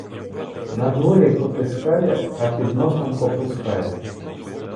Надворі потискає, а під носом попускає.